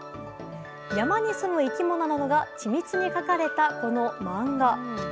山にすむ生き物などが緻密に描かれた、この漫画。